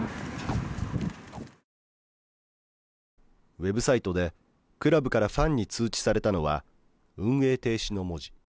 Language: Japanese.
ウェブサイトでクラブからファンに通知されたのは運営停止の文字。